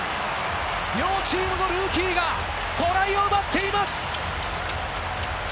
両チームのルーキーがトライを奪っています！